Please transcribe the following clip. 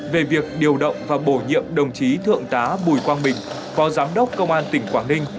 về việc điều động và bổ nhiệm đồng chí thượng tá bùi quang bình phó giám đốc công an tỉnh quảng ninh